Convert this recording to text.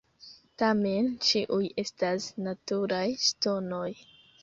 Tamen ĉiuj estas "naturaj ŝtonoj".